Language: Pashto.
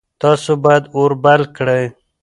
تاسو باید اور بل کړئ.